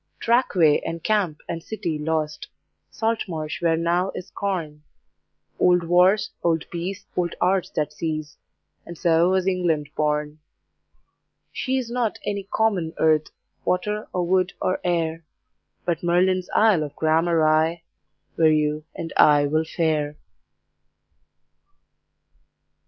Trackway and Camp and City lost, Salt Marsh where now is corn; Old Wars, old Peace, old Arts that cease, And so was England born! She is not any common Earth, Water or wood or air, But Merlin's Isle of Gramarye, Where you and I will fare.